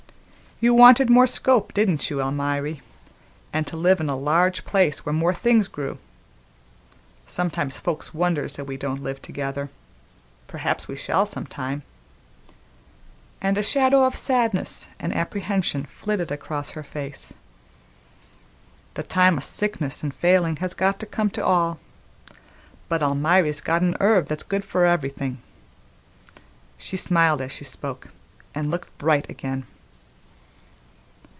You wanted more scope, didn't you, Almiry, an' to live in a large place where more things grew? Sometimes folks wonders that we don't live together; perhaps we shall some time," and a shadow of sadness and apprehension flitted across her face. "The time o' sickness an' failin' has got to come to all. But Almiry's got an herb that's good for everything." She smiled as she spoke, and looked bright again.